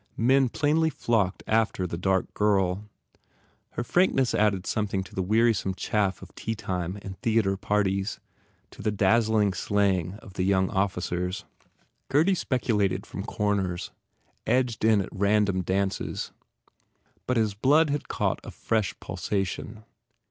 Men plainly flocked after the dark girl. Her frankness added something to the wearisome chaff of teatime and theatre parties, to the daz ing slang of the young officers. Gurdy spec ulated from corners, edged in at random dances. But his blood had caught a fresh pulsation.